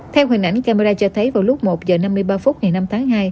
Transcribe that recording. theo hình ảnh camera cho thấy vào lúc một h năm mươi ba phút ngày năm tháng hai